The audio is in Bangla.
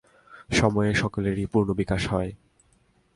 সময়ে সকলেরই পূর্ণ বিকাশ হয়।